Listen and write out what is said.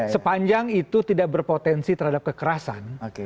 sepanjang itu tidak berpotensi terhadap kekerasan